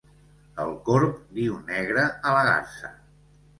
El corb diu negra a la garsa.